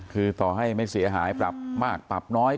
คือต่อให้ไม่เสียหายปรับมากปรับน้อย